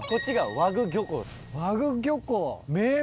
和具漁港。